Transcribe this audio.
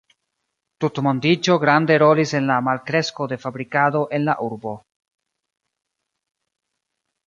Tutmondiĝo grande rolis en la malkresko de fabrikado en la urbo.